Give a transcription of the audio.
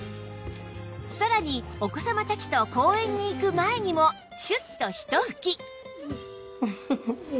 さらにお子さまたちと公園に行く前にもシュッとひと吹き